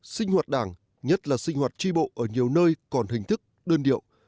sinh hoạt đảng nhất là sinh hoạt tri bộ ở nhiều nơi còn hình thức đơn điệu